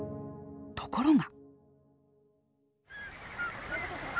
ところが。